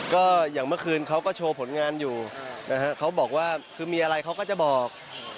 ก็อย่างเมื่อคืนเขาก็โชว์ผลงานอยู่นะฮะเขาบอกว่าคือมีอะไรเขาก็จะบอก